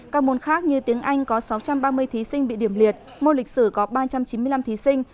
các môn khác như tiếng anh có sáu trăm ba mươi thí sinh bị điểm liệt môn lịch sử có ba trăm chín mươi năm thí sinh